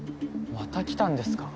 また来たんですか？